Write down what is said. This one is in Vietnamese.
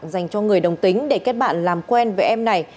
dành cho người đồng tính để kết bạn làm quen với em này